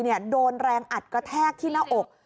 หลังวัย๔๘ปีโดนแรงอัดกระแทกที่หน้าอก